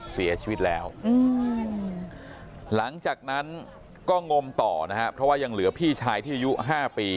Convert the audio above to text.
เสียชีวิตแล้วหลังจากนั้นก็งมต่อนะครับเพราะว่ายังเหลือพี่ชายที่อายุ๕ปี